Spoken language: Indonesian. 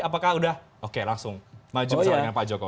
apakah udah oke langsung maju bersama dengan pak jokowi